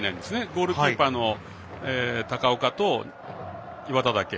ゴールキーパーの高丘と岩田だけ。